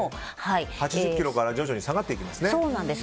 ８０キロから徐々に下がっていきますね。